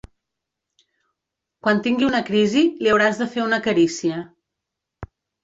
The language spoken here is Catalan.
‘Quan tingui una crisi, li hauràs de fer una carícia'.